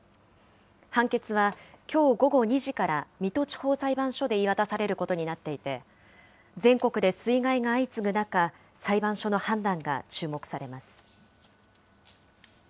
判決は、きょう午後２時から水戸地方裁判所で言い渡されることになっていて、全国で水害が相次ぐ中、裁判所の判断が注目されます。